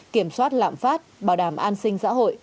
kiểm soát lạm phát bảo đảm an sinh xã hội